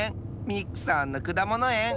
ミクさんのくだものえん。